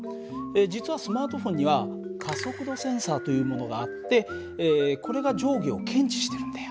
実はスマートフォンには加速度センサーというものがあってこれが上下を検知してるんだよ。